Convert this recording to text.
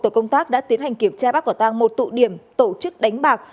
tổ công tác đã tiến hành kiểm tra bắt cỏ tăng một tụ điểm tổ chức đánh bạc